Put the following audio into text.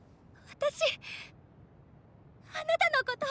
私あなたのこと。